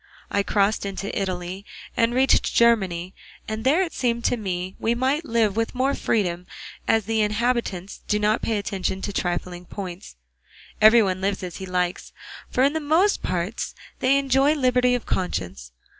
I crossed into Italy, and reached Germany, and there it seemed to me we might live with more freedom, as the inhabitants do not pay any attention to trifling points; everyone lives as he likes, for in most parts they enjoy liberty of conscience.